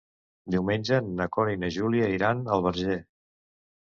Diumenge na Cora i na Júlia iran al Verger.